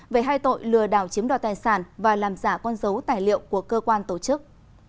về hai tội lừa đảo chiếm đoạt tài sản và làm giả con dấu tài liệu của cơ quan tổ chức